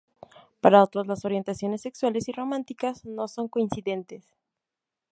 Para otros, las orientaciones sexuales y románticas no son coincidentes.